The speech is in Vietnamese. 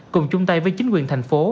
cùng chung tay với chính quyền thành phố